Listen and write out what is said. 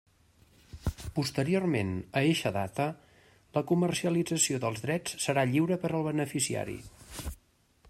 Posteriorment a eixa data, la comercialització dels drets serà lliure per al beneficiari.